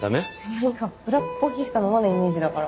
何かブラックコーヒーしか飲まないイメージだから。